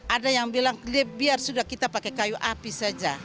ada yang bilang biar sudah kita pakai kayu api saja